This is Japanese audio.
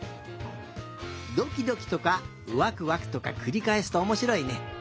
「ドキドキ」とか「ワクワク」とかくりかえすとおもしろいね。